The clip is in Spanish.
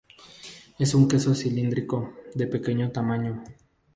Es un queso cilíndrico, de pequeño tamaño.